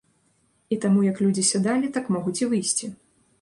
І таму як людзі сядалі, так могуць і выйсці.